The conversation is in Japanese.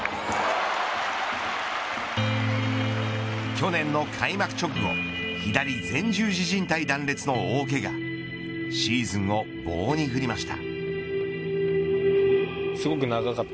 去年の開幕直後左前十字靭帯断裂の大けがシーズンを棒に振りました。